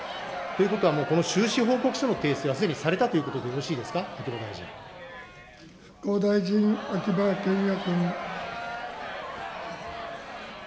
ということは、もう収支報告書への訂正はすでにされたということでよろしいです復興大臣、秋葉賢也君。